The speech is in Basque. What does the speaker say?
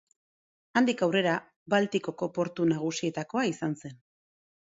Handik aurrera, Baltikoko portu nagusietakoa izan zen.